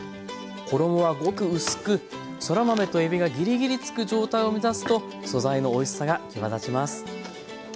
衣はごく薄くそら豆とえびがぎりぎりつく状態を目指すと素材のおいしさが際立ちます。